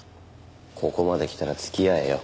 ここまで来たら付き合えよ。